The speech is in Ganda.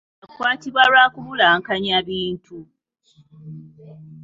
Yakwatibwa lwa kubulankanya bintu.